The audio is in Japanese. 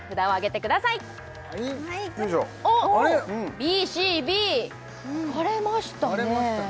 ＢＣＢ割れましたね